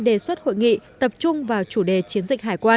đề xuất hội nghị tập trung vào chủ đề chiến dịch hải quan